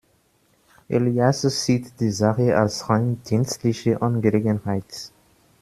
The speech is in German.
Elias sieht die Sache als rein dienstliche Angelegenheit.